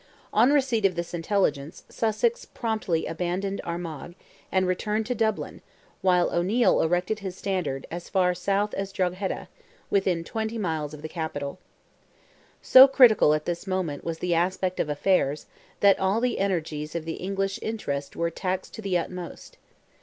On receipt of this intelligence, Sussex promptly abandoned Armagh, and returned to Dublin, while O'Neil erected his standard, as far South as Drogheda, within twenty miles of the capital. So critical at this moment was the aspect of affairs, that all the energies of the English interest were taxed to the utmost.